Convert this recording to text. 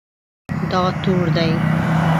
دا تور دی